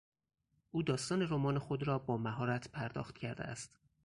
او داستان رمان خود را با مهارت پرداخت کرده است.